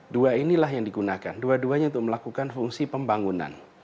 dua inilah yang digunakan dua duanya untuk melakukan fungsi pembangunan